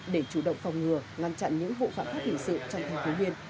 để chủ động phòng ngừa ngăn chặn những vụ phản pháp hình sự trong thanh thiếu niên